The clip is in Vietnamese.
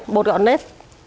bột gạo nếp